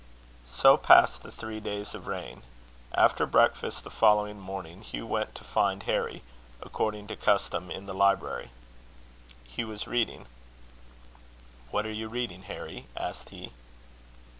So passed the three days of rain. After breakfast the following morning, Hugh went to find Harry, according to custom, in the library. He was reading. "What are you reading, Harry?" asked he.